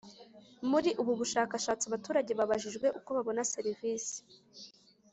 Muri ubu bushakashatsi abaturage babajijwe uko babona serivisi